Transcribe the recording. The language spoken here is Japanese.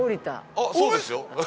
◆そうですよ。